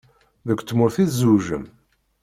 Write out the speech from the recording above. Deg tmurt i tzewǧem?